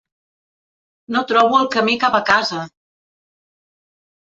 No trobo el camí cap a casa!